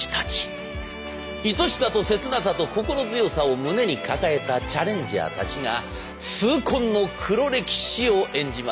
恋しさとせつなさと心強さを胸に抱えたチャレンジャーたちが痛恨の黒歴史を演じます。